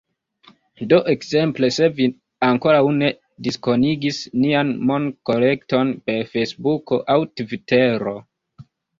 Do ekzemple, se vi ankoraŭ ne diskonigis nian monkolekton per Fejsbuko aŭ Tvitero